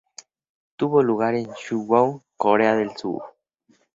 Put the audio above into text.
Tuvo lugar en Suwon, Corea del Sur.